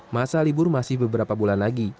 masa libur masih beberapa bulan lagi